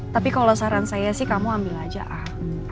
tapi kalau saran saya sih kamu ambil aja ah